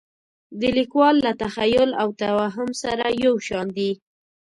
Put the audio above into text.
د لیکوال له تخیل او توهم سره یو شان دي.